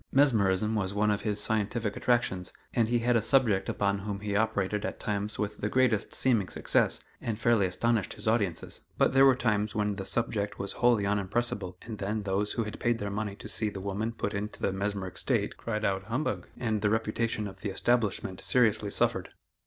Mesmerism was one of his scientific attractions, and he had a subject upon whom he operated at times with the greatest seeming success, and fairly astonished his audiences. But there were times when the subject was wholly unimpressible and then those who had paid their money to see the woman put into the mesmeric state cried out "humbug," and the reputation of the establishment seriously suffered.